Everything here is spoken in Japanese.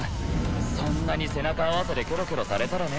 そんなに背中合わせでキョロキョロされたらね